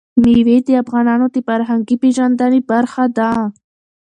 مېوې د افغانانو د فرهنګي پیژندنې برخه ده.